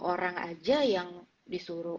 orang aja yang disuruh